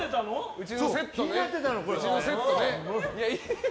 うちのセットね。